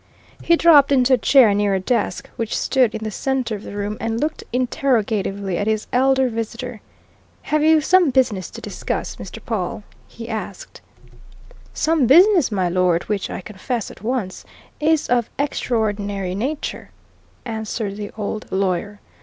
He dropped into a chair near a desk which stood in the centre of the room and looked interrogatively at his elder visitor. "Have you some business to discuss, Mr. Pawle?" he asked. "Some business, my lord, which, I confess at once, is of extraordinary nature," answered the old lawyer.